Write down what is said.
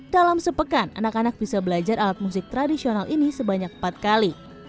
dalam sepekan anak anak bisa belajar alat musik tradisional ini sebanyak empat kali